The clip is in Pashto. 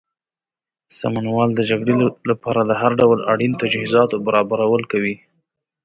سمونوال د جګړې لپاره د هر ډول اړین تجهیزاتو برابرول کوي.